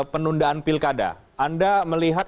penundaan pilkada anda melihat